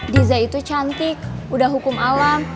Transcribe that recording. deza itu cantik udah hukum alam